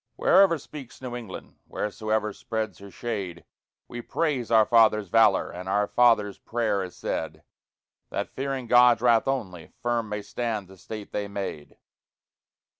Wherever speaks New England, wheresoever spreads her shade, We praise our fathers' valor, and our fathers' prayer is said, That, fearing God's Wrath only, firm may stand the State they made.